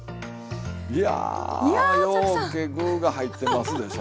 いやようけ具が入ってますでしょ。